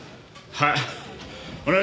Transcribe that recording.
はい！